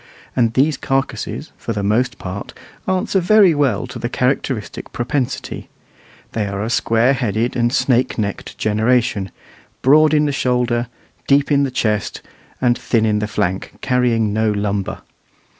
And these carcasses, for the most part, answer very well to the characteristic propensity: they are a squareheaded and snake necked generation, broad in the shoulder, deep in the chest, and thin in the flank, carrying no lumber.